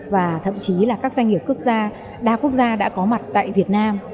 và thậm chí là các doanh nghiệp quốc gia đa quốc gia đã có mặt tại việt nam